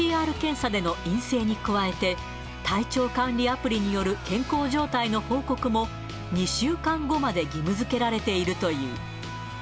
ＰＣＲ検査での陰性に加えて、体調管理アプリによる健康状態の報告も、２週間後まで義務づけられているという。